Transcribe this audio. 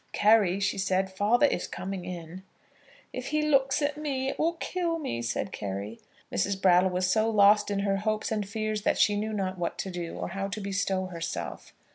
"Carry," she said, "father is coming in." "If he looks at me, it will kill me," said Carry. Mrs. Brattle was so lost in her hopes and fears that she knew not what to do, or how to bestow herself.